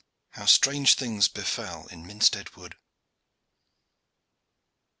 HOW STRANGE THINGS BEFELL IN MINSTEAD WOOD.